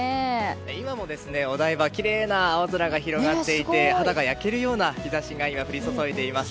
今もお台場きれいな青空が広がっていて肌が焼けるような日差しが降り注いでいます。